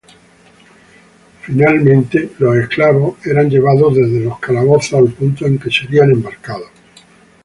Finalmente, los esclavos eran llevados desde los calabozos al punto en que serían embarcados.